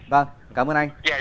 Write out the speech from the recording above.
vâng cảm ơn anh